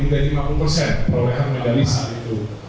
perolehan medali saat itu